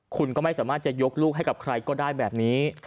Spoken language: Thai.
คุณก็ไม่สามารถจะยกลูกให้กับใครก็ได้แบบนี้